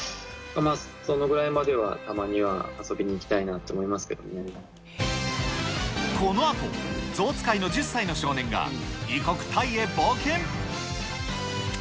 そのぐらいまではたまには遊びにこのあと、象使いの１０歳の少年が、異国タイへ冒険。